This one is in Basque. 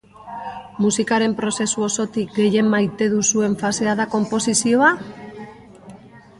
Musikaren prozesu osotik gehien maite duzuen fasea da konposizioa?